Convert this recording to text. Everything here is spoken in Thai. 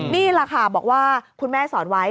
นี่แหละค่ะบอกว่าคุณแม่สอนไว้